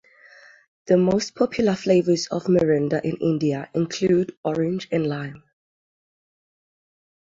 The most popular flavours of Mirinda in India include orange and lime.